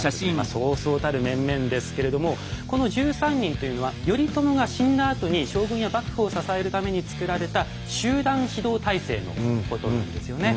そうそうたる面々ですけれどもこの１３人というのは頼朝が死んだあとに将軍や幕府を支えるために作られた集団指導体制のことなんですよね。